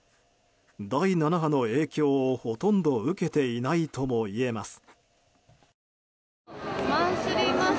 第７波の影響を、ほとんど受けていないともいえます。